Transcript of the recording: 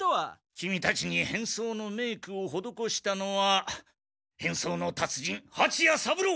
キミたちに変装のメークをほどこしたのは変装の達人はちや三郎！